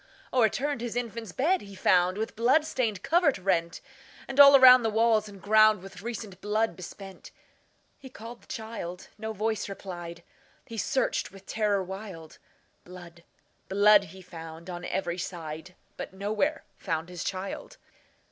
O'erturned his infant's bed he found, With blood stained covert rent; And all around the walls and groundWith recent blood besprent. He called his child,—no voice replied,—He searched with terror wild; Blood, blood, he found on every side, But nowhere found his child.